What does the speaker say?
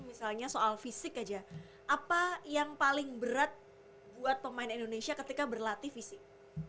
misalnya soal fisik aja apa yang paling berat buat pemain indonesia ketika berlatih fisik